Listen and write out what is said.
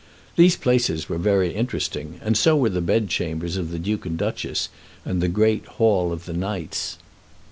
These places were very interesting, and so were the bedchambers of the duke and duchess, and the great Hall of the Knights.